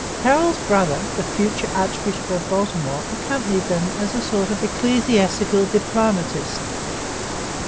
Carroll's brother, the future archbishop of Baltimore, accompanied them as a sort of ecclesiastical diplomatist.